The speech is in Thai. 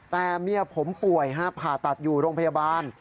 แต่เมียผมป่วยผ่าตัดอยู่โรงพยาบาล